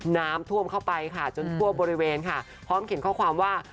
น้ำท่วมเข้าไปค่ะจนทั่วบริเวณค่ะพร้อมเขียนข้อความว่า